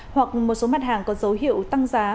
hoặc một số mặt hàng có dấu hiệu tăng giá